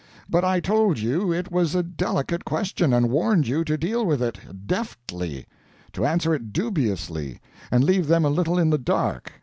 But I told you it was a delicate question, and warned you to deal with it deftly to answer it dubiously, and leave them a little in the dark.